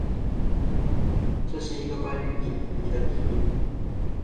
这是一个关于妳的秘密